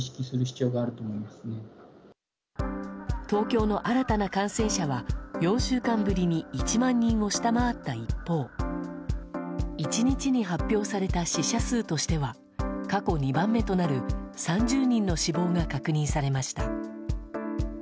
東京の新たな感染者は４週間ぶりに１万人を下回った一方１日に発表された死者数としては過去２番目となる３０人の死亡が確認されました。